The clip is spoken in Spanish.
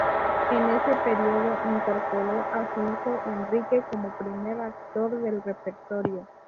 En ese periodo incorporó a su hijo Enrique como primer actor del repertorio.